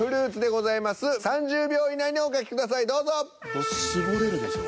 これ絞れるでしょ。